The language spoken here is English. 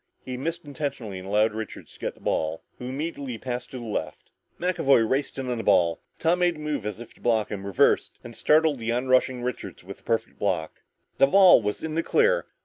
He missed intentionally and allowed Richards to get the ball, who immediately passed to the left. McAvoy raced in on the ball, Tom made a move as if to block him, reversed, and startled the onrushing Richards with a perfect block. The ball was in the clear.